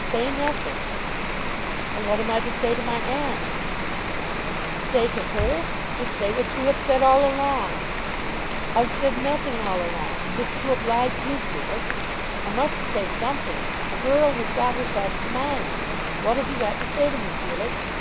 "Say nothing." "And what am I to say to aunt?" "Say to her? Just say what you have said all along." "I've said nothing all along, just to oblige you, Felix. I must say something. A girl has got herself to mind. What have you got to say to me, Felix?"